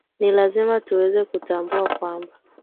ni lazima tuweze kutambua kwamba